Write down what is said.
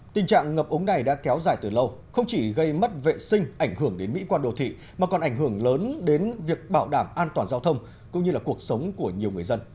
tình trạng ngập ống này đã kéo dài từ lâu không chỉ gây mất vệ sinh ảnh hưởng đến mỹ quan đồ thị mà còn ảnh hưởng lớn đến việc bảo đảm an toàn giao thông cũng như là cuộc sống của nhiều người dân